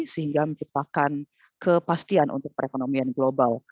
sehingga menciptakan kepastian untuk perekonomian global